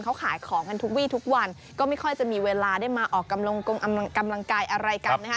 เขาขายของกันทุกวีทุกวันก็ไม่ค่อยจะมีเวลาได้มาออกกำลังกงกำลังกายอะไรกันนะฮะ